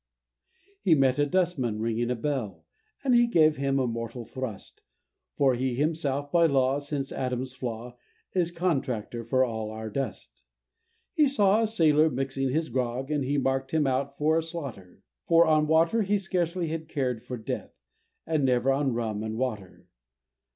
He met a dustman ringing a bell, And he gave him a mortal thrust; For himself, by law, since Adam's flaw, Is contractor for all our dust. He saw a sailor mixing his grog, And he marked him out for slaughter; For on water he scarcely had cared for Death, And never on rum and water.